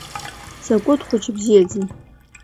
Дзакәытә хәыҷы бзиази!